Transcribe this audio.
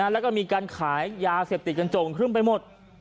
แล้วก็มีการขายยาเสศกติจกันจลงขึ้นไปหมด